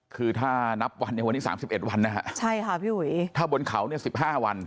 คือถ้านับวันนี้๓๑วันถ้าบนเขาเนี่ย๑๕วัน